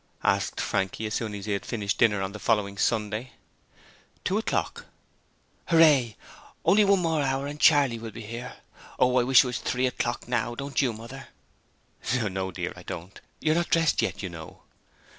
asked Frankie as soon as he had finished dinner on the following Sunday. 'Two o'clock.' 'Hooray! Only one more hour and Charley will be here! Oh, I wish it was three o'clock now, don't you, Mother?' 'No, dear, I don't. You're not dressed yet, you know.'